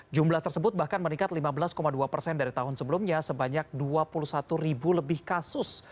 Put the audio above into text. jumlah tersebut bahkan meningkat lima belas dua persen dari tahun sebelumnya sebanyak dua puluh satu ribu lebih kasus